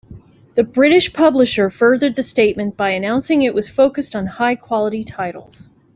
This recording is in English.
The British publisher furthered the statement by announcing it was focused on high-quality titles.